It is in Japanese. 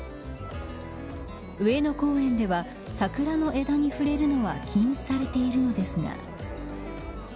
上野公園では桜の枝に触れるのは禁止されているのですが。